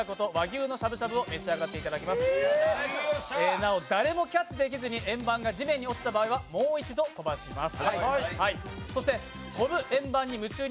なお、誰もキャッチできずに円盤が地面に落ちた場合は、もう一度、飛ばします。